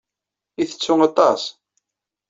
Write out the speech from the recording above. Ittettu aṭas.